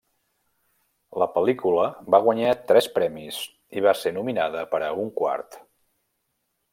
La pel·lícula va guanyar tres premis i va ser nominada per a un quart.